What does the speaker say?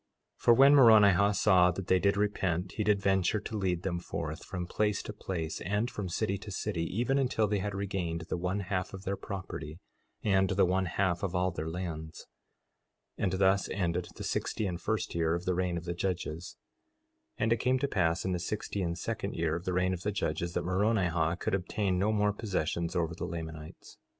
4:16 For when Moronihah saw that they did repent he did venture to lead them forth from place to place, and from city to city, even until they had regained the one half of their property and the one half of all their lands. 4:17 And thus ended the sixty and first year of the reign of the judges. 4:18 And it came to pass in the sixty and second year of the reign of the judges, that Moronihah could obtain no more possessions over the Lamanites.